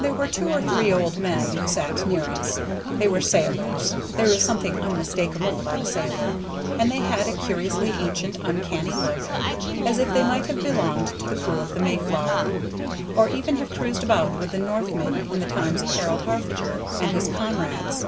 There were two or three old men who sat near us. They were sailors, there is something unmistakable about a sailor, and they had a curiously ancient, uncanny look, as if they might have belonged to the crew of the Mayflower, or even have cruised about with the Northmen in the times of Harold Harfager and his comrades.